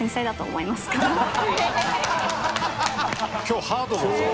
今日ハードだぞ。